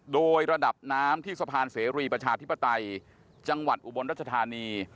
โดยระดับน้ำที่สะพานเสรีประชาธิปไตยจังหวัดอุบลรัชธานี